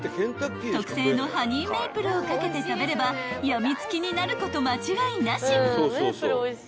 ［特製のハニーメイプルを掛けて食べれば病みつきになること間違いなし］